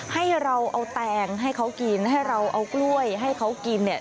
ให้เราเอาแตงให้เขากินให้เราเอากล้วยให้เขากินเนี่ย